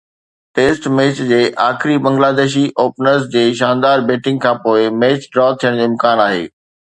Test match جي آخري ڏينهن بنگلاديشي اوپنرز جي شاندار بيٽنگ کانپوءِ ميچ ڊرا ٿيڻ جو امڪان آهي.